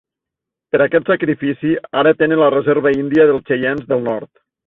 Per aquest sacrifici, ara tenen la Reserva Índia dels Cheyennes del Nord.